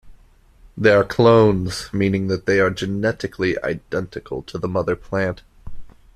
They are clones, meaning that they are genetically identical to the mother plant.